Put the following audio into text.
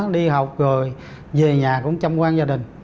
đi học rồi về nhà cũng chăm quan gia đình